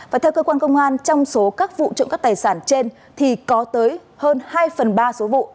và theo cơ quan công an trong số các vụ trộm cắp tài sản trên thì có tới hơn hai phần ba số vụ